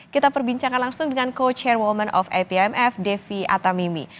kita perbincangkan langsung dengan co chairwoman of atmf devi atamimi